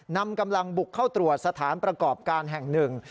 นำกำลังบุกเข้าตรวจสถานประกอบการแห่งหนึ่ง